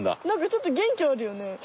なんかちょっと元気あるよね。